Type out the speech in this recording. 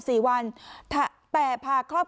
สวัสดีครับ